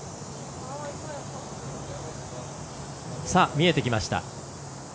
見えてきました。